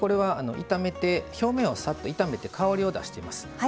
表面をさっと炒めて香りを出しています。